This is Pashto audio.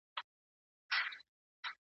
مور یې د چایو پیاله په فرش باندې کېښوده.